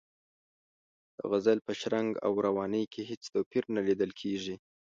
د غزل په شرنګ او روانۍ کې هېڅ توپیر نه لیدل کیږي.